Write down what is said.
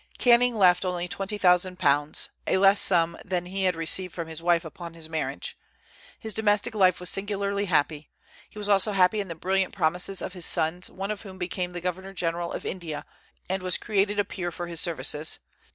Canning left only £20,000, a less sum than he had received from his wife upon his marriage. His domestic life was singularly happy. He was also happy in the brilliant promises of his sons, one of whom became governor general of India, and was created a peer for his services.